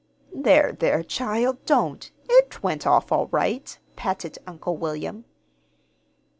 "There, there, child, don't! It went off all right," patted Uncle William.